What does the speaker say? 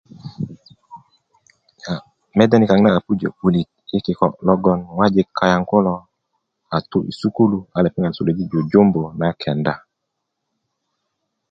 aa mede niyaŋ na a pujö 'bulit yi kiko logoŋ ŋwajik kayaŋ kulo a tu yi sukulu a lepeŋat suluji' jujumbi na kenda